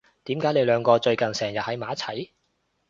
點解你兩個最近成日喺埋一齊？